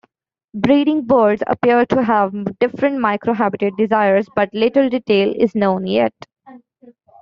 Breeding birds appear to have different microhabitat desires, but little detail is known yet.